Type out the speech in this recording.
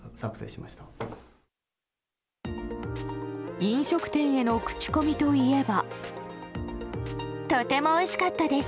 飲食店への口コミといえば。